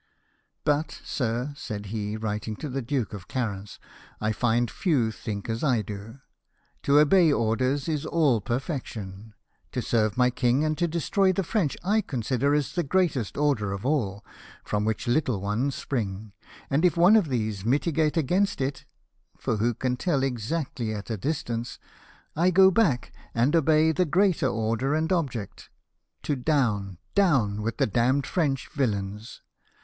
But, sir," said he, writing to the Duke of Clarence, " I find few think as I do. To obey orders is all perfection. To serve my king and to destroy the French I consider as the great order of all, from which little ones spring ; and if one of these militate against it (for who can tell exactly 202 LIFE OF NELSON. at a distance ?), I go back, and obey the great order and object, to down, down, with the damned French villains